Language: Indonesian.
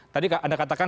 tadi anda katakan